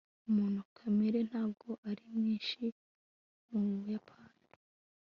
umutungo kamere ntabwo ari mwinshi mu buyapani